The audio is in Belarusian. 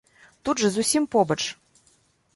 Тут жа зусім побач.